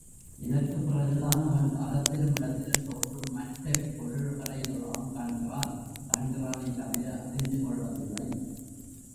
இதற்குப் பிறகுதான் அவன் காலத்திலும் இடத்திலும் தோன்றும் மற்றைப் பொருள்களை யெல்லாம் காண்கிறான் காண்கிறானே தவிர, அறிந்துகொள்வதில்லை.